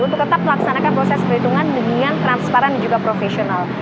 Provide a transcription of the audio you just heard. untuk tetap melaksanakan proses perhitungan dengan transparan dan juga profesional